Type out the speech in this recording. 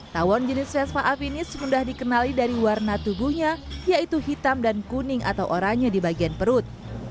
tawon jenis vespa afinis mudah dikenali dari warna tubuhnya yaitu hitam dan kuning atau oranye di bagian perut